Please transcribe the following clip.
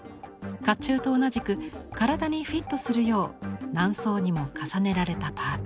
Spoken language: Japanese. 甲冑と同じく体にフィットするよう何層にも重ねられたパーツ。